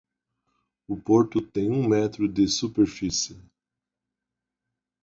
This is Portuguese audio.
O Porto tem um metro de superfície.